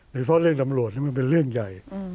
เพราะเรื่องตำรวจนี่มันเป็นเรื่องใหญ่